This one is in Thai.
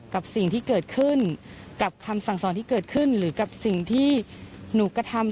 เกรงว่าเราอาจจะถูกคุกคาม